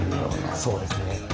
そうですね。